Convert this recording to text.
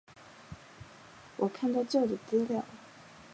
我看到旧的资料